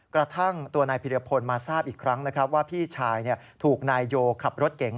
กระทั่งตัวนายพิรพลมาทราบอีกครั้งนะครับว่าพี่ชายถูกนายโยขับรถเก๋ง